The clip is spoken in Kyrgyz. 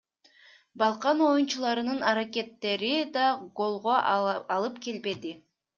Балкан оюнчуларынын аракеттери да голго алып келбеди.